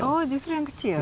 oh justru yang kecil